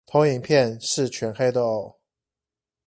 投影片是全黑的喔